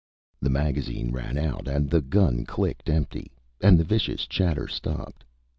The magazine ran out and the gun clicked empty and the vicious chatter stopped.